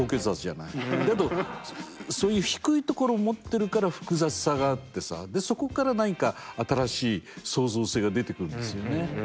けどそういう低いところを持ってるから複雑さがあってさでそこから何か新しい創造性が出てくるんですよね。